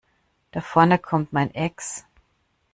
Da vorne kommt mein Ex.